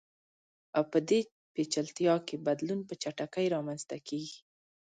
او په دې پېچلتیا کې بدلون په چټکۍ رامنځته کیږي.